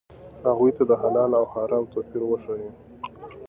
هغوی ته د حلال او حرامو توپیر وښایئ.